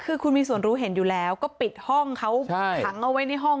คือคุณมีส่วนรู้เห็นอยู่แล้วก็ปิดห้องเขาขังเอาไว้ในห้อง